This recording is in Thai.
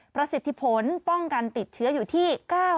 ประสิทธิผลป้องกันติดเชื้ออยู่ที่๙๐